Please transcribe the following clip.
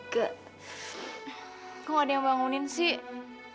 kok gak ada yang bangunin sih